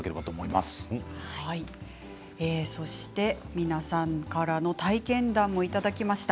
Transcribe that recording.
皆さんからの体験談もいただきました。